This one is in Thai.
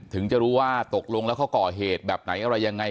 ถึงจะรู้ว่าตกลงแล้วเขาก่อเหตุแบบไหนอะไรยังไง